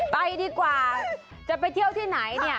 ไปดีกว่าจะไปเที่ยวที่ไหนเนี่ย